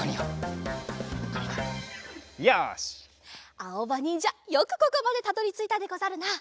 あおばにんじゃよくここまでたどりついたでござるな！